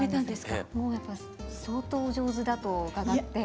もうやっぱ相当お上手だと伺って。